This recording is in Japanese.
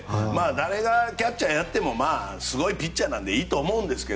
誰がキャッチャーやってもすごいピッチャーなのでいいと思うんですが。